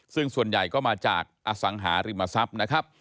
ซึ่งส่วนใหญ่ก็มาจากอสังหาริมทรัพย์นะครับ